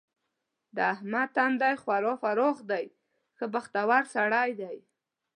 د احمد تندی خورا پراخ دی؛ ښه بختور سړی دی.